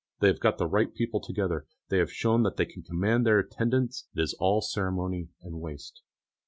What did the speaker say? They have got the right people together, they have shown that they can command their attendance; it is all ceremony and waste.